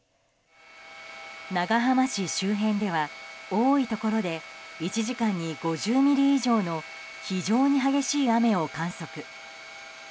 長浜市周辺では、多いところで１時間に５０ミリ以上の非常に激しい雨を観測。